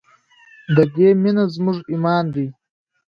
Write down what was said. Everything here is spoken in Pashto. د دې مینه زموږ ایمان دی؟